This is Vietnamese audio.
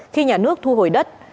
khi nhà nước thu hồi đất